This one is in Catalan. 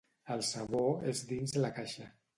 El sabó és dins la caixa.